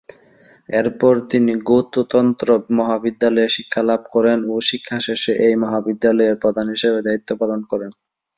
এরপর তিনি গ্যুতো তন্ত্র মহাবিদ্যালয়ে শিক্ষালাভ করেন ও শিক্ষা শেষে এই মহাবিদ্যালয়ের প্রধান হিসেবে দায়িত্ব পালন করেন।